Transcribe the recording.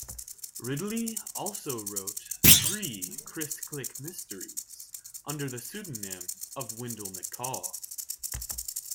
Ridley also wrote three Chris Klick mysteries under the pseudonym of Wendell McCall.